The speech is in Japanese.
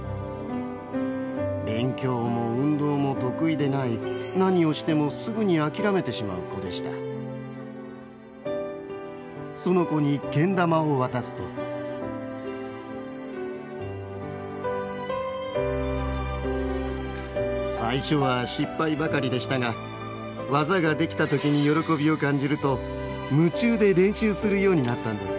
勉強も運動も得意でない何をしてもすぐにあきらめてしまう子でしたその子にけん玉を渡すと最初は失敗ばかりでしたが技ができたときに喜びを感じると夢中で練習するようになったんです